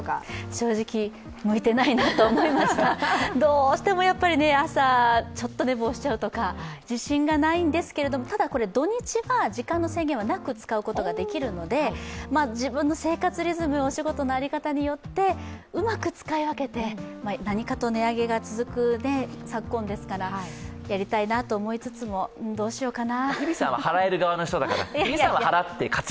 正直、向いてないなと思いました朝、ちょっと寝坊しちゃうとか、自信がないんですけどただ、これ土日は時間の制限はなく使うことはできるので自分の生活リズム、お仕事の在り方によって、うまく使い分けて、何かと値上げが続く昨今ですからやりたいなと思いつつも、どうしようかな。